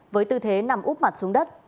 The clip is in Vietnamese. với tư thế nằm úp mặt xuống đất